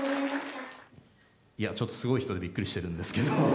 いや、ちょっとすごい人でびっくりしてるんですけど。